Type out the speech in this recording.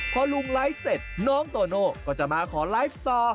พอลุงไลฟ์เสร็จน้องโตโน่ก็จะมาขอไลฟ์ต่อ